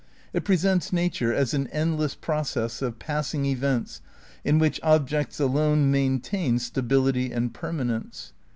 It presents nature as an endless process of passing events in which objects alone maintain stability and perma nence.